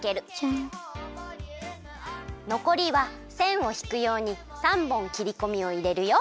のこりはせんをひくように３ぼんきりこみをいれるよ。